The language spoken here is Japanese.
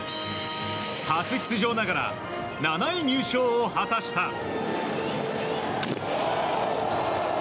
初出場ながら７位入賞を果たした。